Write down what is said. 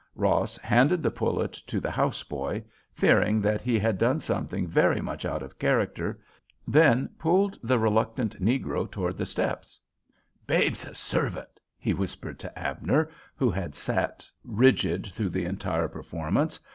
Ross handed the pullet to the house boy, fearing that he had done something very much out of character, then pulled the reluctant negro toward to the steps. "Babe's a servant," he whispered to Abner, who had sat rigid through the entire performance.